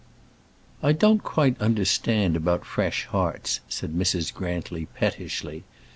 "I don't quite understand about fresh hearts," said Mrs. Grantly, pettishly.